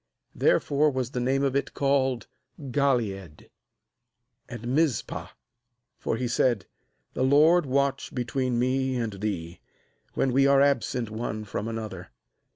Therefore was the name of it called Galeed; 49and °Mizpah, for he said: 'The LORD watch between me and thee, when we are absent one from another.